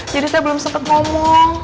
jadi saya belum sempat ngomong